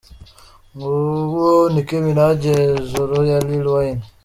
Nguwo Nick minaj hejuru ya Lil Wayne.